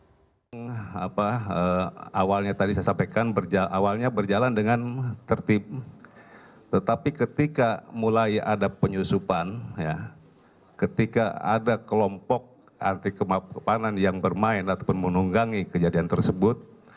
nah awalnya tadi saya sampaikan awalnya berjalan dengan tertib tetapi ketika mulai ada penyusupan ketika ada kelompok anti kemapanan yang bermain ataupun menunggangi kejadian tersebut